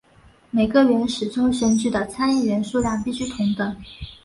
每个原始州选举的参议员数量必须同等。